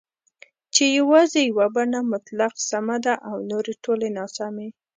چې یوازې یوه بڼه مطلق سمه ده او نورې ټولې ناسمي